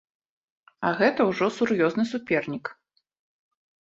А гэта ўжо сур'ёзны супернік.